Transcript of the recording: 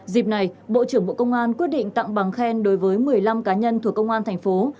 dịp này bộ trưởng bộ công an quyết định tặng bằng khen đối với một mươi năm cá nhân thuộc công an thành phố